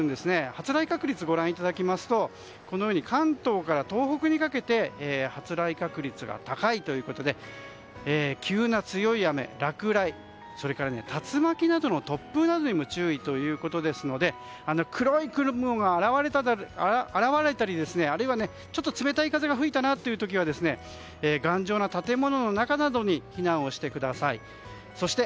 発雷確率をご覧いただきますとこのように関東から東北にかけて発雷確率が高いということで急な強い雨、落雷それから竜巻などの突風などにも注意ということですので黒い雲が現れたりあるいはちょっと冷たい風が吹いたなという時は頑丈な建物の中などに避難をしてください。